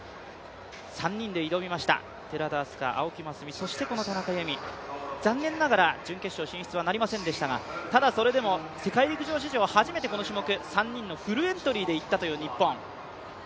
３人で挑みました寺田明日香、青木益未、そしてこの田中佑美、残念ながら準決勝進出はなりませんでしたが、ただそれでも世界陸上史上初めてこの種目３人のフルエントリーでいったという日本。